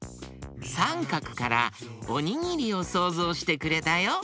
サンカクからおにぎりをそうぞうしてくれたよ。